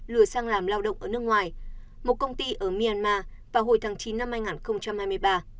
lừa sang làm lao động ở nước ngoài một công ty ở myanmar vào hồi tháng chín năm hai nghìn hai mươi ba